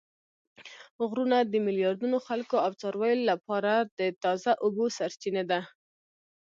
غرونه د میلیاردونو خلکو او څارویو لپاره د تازه اوبو سرچینه ده